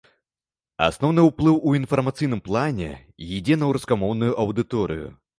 Асноўны ўплыў у інфармацыйным плане ідзе на рускамоўную аўдыторыю.